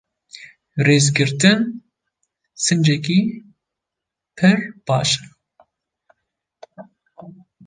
Rêzgirtin, sincekî pir baş e.